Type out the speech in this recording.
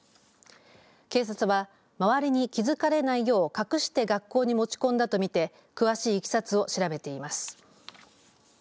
警察は周りに気づかれないよう隠して学校に持ち込んだとみて詳しいいきさつを調べています。